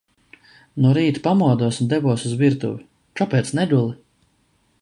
No rīta pamodos un devos uz virtuvi. Kāpēc neguli?